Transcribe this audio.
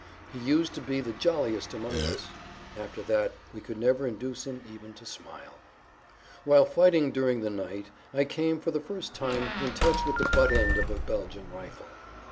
He used to be the jolliest among us; after that we could never induce him even to smile. Whilst fighting during the night I came for the first time in touch with the butt end of a Belgian rifle.